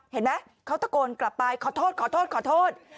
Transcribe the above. เห็นไหมเขาตะโกนกลับไปขอโทษ